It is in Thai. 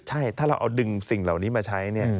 ใช่ถ้าเราเอาดึงสิ่งเหล่านี้มาใช้เนี่ย